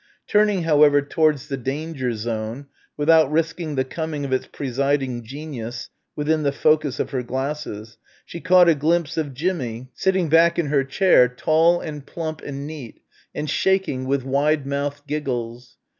Turning, however, towards the danger zone, without risking the coming of its presiding genius within the focus of her glasses she caught a glimpse of "Jimmie" sitting back in her chair tall and plump and neat, and shaking with wide mouthed giggles.